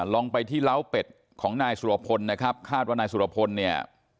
ลองไปที่เล้าเป็ดของนายสุรพลนะครับคาดว่านายสุรพลเนี่ย